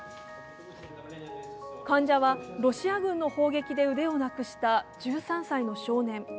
患者はロシア軍の砲撃で腕をなくした１３歳の少年。